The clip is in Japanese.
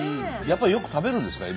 やっぱりよく食べるんですか？